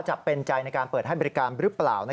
จะเป็นใจในการเปิดให้บริการหรือเปล่า